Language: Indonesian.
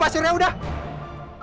pak suria sudah